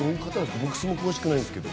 僕、詳しくないんですけど。